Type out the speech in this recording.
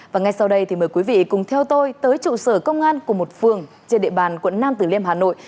và ngay sau đây thì mời quý vị cùng theo tôi tới trụ sở công an của một phường trên địa bàn quận nam tử liêm hà nội